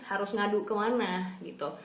harus ngadu kemana gitu